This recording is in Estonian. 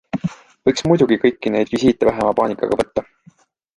Võiks muidugi kõiki neid visiite vähema paanikaga võtta.